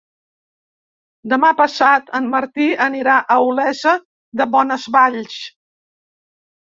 Demà passat en Martí anirà a Olesa de Bonesvalls.